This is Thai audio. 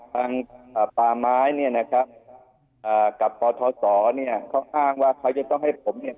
ป่าไม้เนี่ยนะครับอ่ากับปทศเนี่ยเขาอ้างว่าเขาจะต้องให้ผมเนี่ย